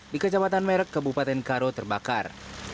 di kecamatan merek kabupaten karo terbakar